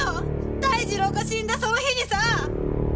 大二郎が死んだその日にさ。